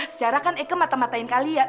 secara kan eke mata matain kalian